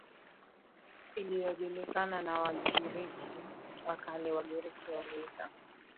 iliyojulikana na Wagiriki wa Kale Wagiriki waliita